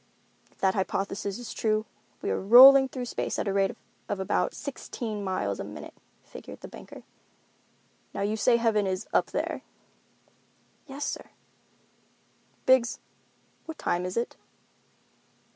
"If that hypothesis is true, we are rolling through space at the rate of about sixteen miles a minute," figured the banker. "Now you say heaven is up there." "Yes, sir." "Biggs, what time is it?"